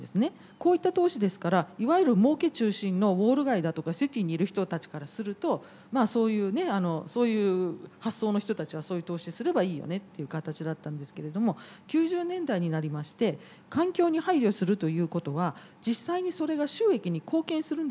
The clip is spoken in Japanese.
こういった投資ですからいわゆる儲け中心のウォール街だとかシティーにいる人たちからするとまあそういう発想の人たちはそういう投資をすればいいよねっていう形だったんですけれども９０年代になりまして環境に配慮するということは実際にそれが収益に貢献するんではないかと。